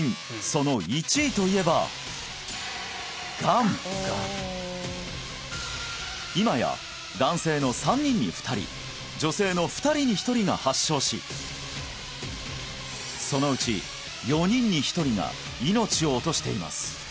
その１位といえば今や男性の３人に２人女性の２人に１人が発症しその内４人に１人が命を落としています